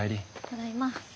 ただいま。